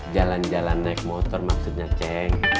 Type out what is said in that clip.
jalan jalan naik motor maksudnya ceng